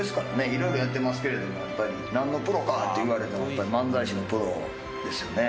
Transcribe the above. いろいろやってますけれどもやっぱりなんのプロかって言われたらやっぱり漫才師のプロですよね。